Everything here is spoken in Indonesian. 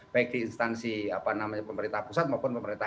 baik di instansi pemerintah pusat maupun pemerintah